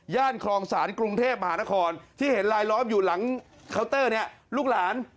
ญาตย์ครองศาลกรุงเทพฯมหานครที่เห็นลายล้อมอยู่หลังเค้าว์เทอร์เนี่ย